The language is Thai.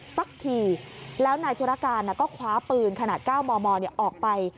สักทีแล้วนายธุรการก็คว้าปืนขนาด๙มมออกไป